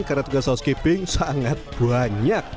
karena tugas housekeeping sangat banyak